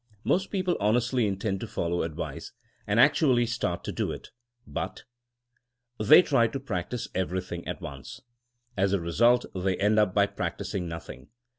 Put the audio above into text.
Most people honestly intend to follow advice, and actually start to do it, but ... They try to practice everything at once. As a result they end by practicing nothing.